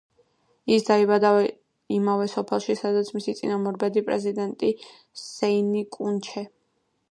ის დაიბადა იმავე სოფელში, სადაც მისი წინამორბედი პრეზიდენტი სეინი კუნჩე.